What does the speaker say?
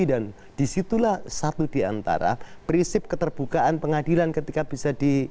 dan di situlah satu di antara prinsip keterbukaan pengadilan ketika bisa di